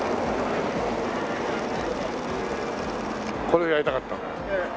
これをやりたかったんだ。